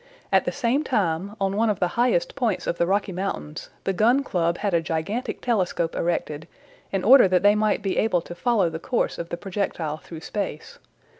At the same time, on one of the highest points of the Rocky Mountains, the Gun Club had a gigantic telescope erected, in order that they might be able to follow the course of the projectile through space.